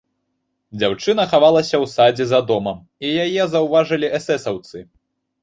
Дзяўчына хавалася ў садзе за домам, і яе заўважылі эсэсаўцы.